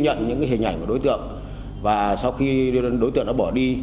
ngoài ra còn có ba bị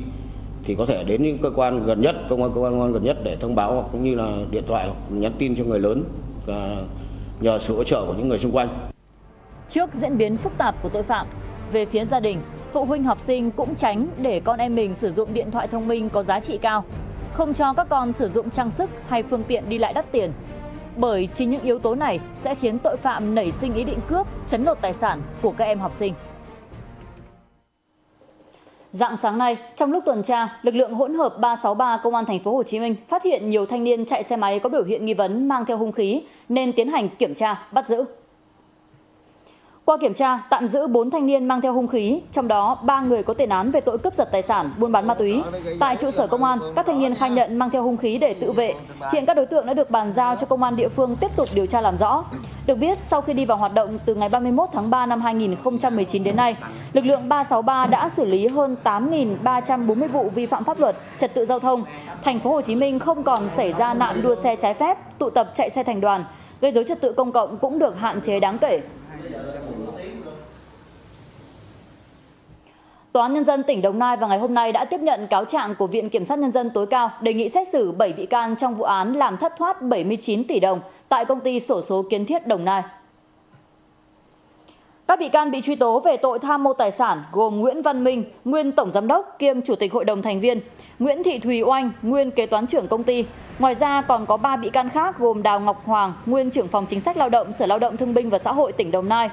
can khác gồm đào ngọc hoàng nguyên trưởng phòng chính sách lao động sở lao động thương binh và xã hội tỉnh đồng nai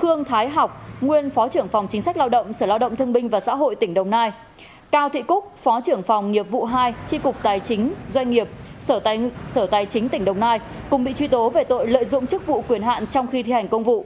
khương thái học nguyên phó trưởng phòng chính sách lao động sở lao động thương binh và xã hội tỉnh đồng nai cao thị cúc phó trưởng phòng nhiệp vụ hai tri cục tài chính doanh nghiệp sở tài chính tỉnh đồng nai cùng bị truy tố về tội lợi dụng chức vụ quyền hạn trong khi thi hành công vụ